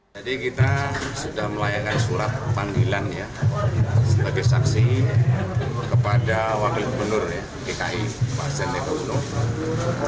jadi kita sudah melayangkan surat panggilan ya sebagai saksi kepada wakil gubernur gki pak sende kuno